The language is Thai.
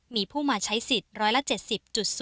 มีผู้มาใช้สิทธิ์๑๗๐๐